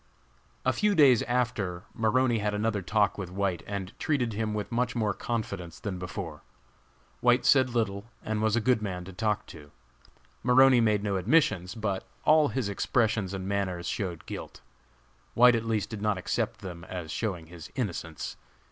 A few days after, Maroney had another talk with White and treated him with much more confidence than before. White said little, and was a good man to talk to. Maroney made no admissions, but all his expressions and manners showed guilt. White at least did not accept them as showing his innocence.